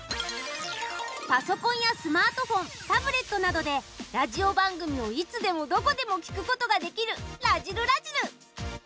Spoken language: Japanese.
パソコンやスマートフォンタブレットなどでラジオ番組をいつでもどこでも聴くことができる「らじる★らじる」。